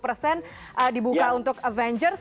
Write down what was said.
dua puluh persen dibuka untuk avengers